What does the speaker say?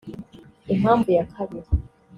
Impamvu ya kabiri